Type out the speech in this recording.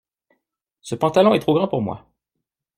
Ce pantalon est trop grand pour moi.